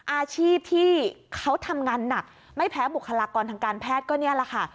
อาชีพที่เขาทำงานหนักไม่แพ้บุคลากรทางการแพทย์ก็นี่แหละค่ะ